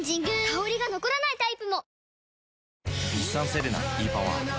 香りが残らないタイプも！